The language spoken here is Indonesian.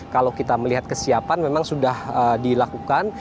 kalau kita melihat kesiapan memang sudah dilakukan